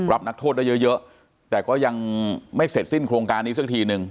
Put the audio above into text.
รับนักโทษได้เยอะเยอะแต่ก็ยังไม่เสร็จสิ้นโครงการนี้สักทีนึง